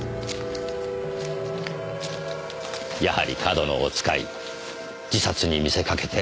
やはり上遠野を使い自殺に見せかけて殺害。